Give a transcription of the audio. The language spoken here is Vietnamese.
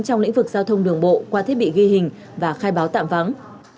trong lĩnh vực giao thông đường bộ qua thiết bị ghi hình và khai báo tạm vắng